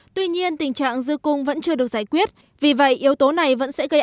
tuy nhiên tình trạng dư cung vẫn chưa được giải quyết vì vậy yếu tố này vẫn sẽ gây